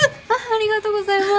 ありがとうございます。